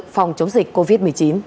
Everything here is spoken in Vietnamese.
phòng chống dịch covid một mươi chín